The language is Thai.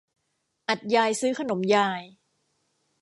อัฐยายซื้อขนมยาย